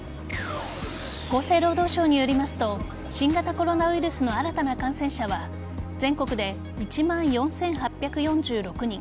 厚生労働省によりますと新型コロナウイルスの新たな感染者は全国で１万４８４６人